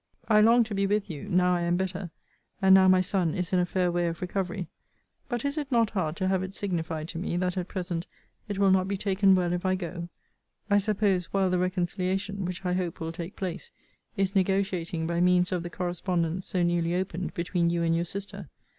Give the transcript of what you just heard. I long to be with you, now I am better, and now my son is in a fair way of recovery. But is it not hard to have it signified to me that at present it will not be taken well if I go? I suppose, while the reconciliation, which I hope will take place, is negotiating by means of the correspondence so newly opened between you and your sister.